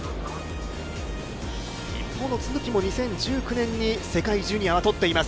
日本の都筑も２０１９年に世界ジュニアは取っています。